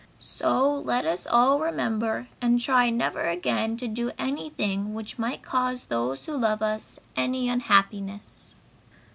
So let us all remember and try never again to do anything which might cause those who love us any unhappiness!"